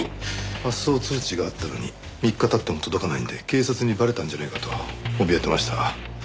発送通知があったのに３日経っても届かないんで警察にバレたんじゃないかとおびえてました。